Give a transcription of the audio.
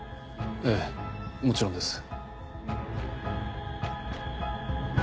ええもちろんです。